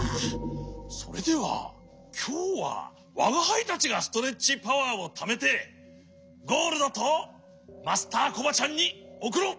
それではきょうはわがはいたちがストレッチパワーをためてゴールドとマスターコバちゃんにおくろう！